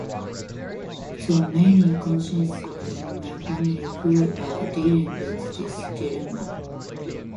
I have so many cousins in my family who are dealing with this dilemma.